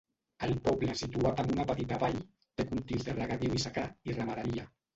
El poble situat en una petita vall, té cultius de regadiu i secà, i ramaderia.